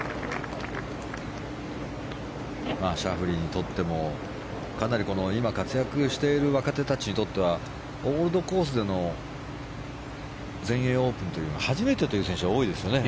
シャフリーにとってもかなり今活躍している若手たちにとってはオールドコースでの全英オープンというのは初めてという選手が多いですよね。